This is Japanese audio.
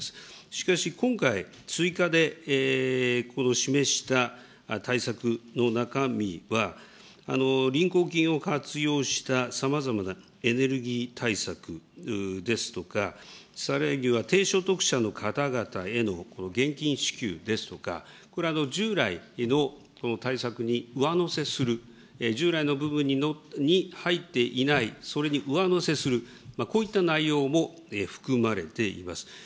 しかし今回、追加でこの示した対策の中身は、臨交金を活用したさまざまなエネルギー対策ですとか、さらには低所得者の方々へのこの現金支給ですとか、これ、従来の対策に上乗せする、従来の部分に入っていない、それに上乗せする、こういった内容も含まれています。